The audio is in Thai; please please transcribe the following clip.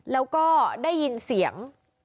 แล้วก็ได้ยินเสียง